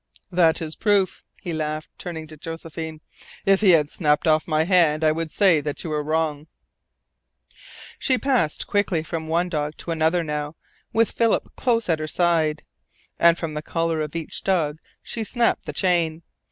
"That is proof," he laughed, turning to Josephine. "If he had snapped off my hand I would say that you were wrong." She passed quickly from one dog to another now, with Philip close at her side, and from the collar of each dog she snapped the chain.